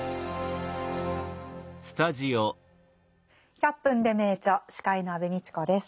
「１００分ｄｅ名著」司会の安部みちこです。